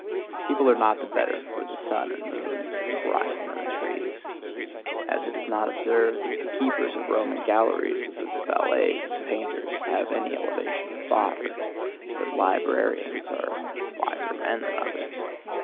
People are not the better for the sun and moon, the horizon and the trees; as it is not observed that the keepers of Roman galleries or the valets of painters have any elevation of thought, or that librarians are wiser men than others.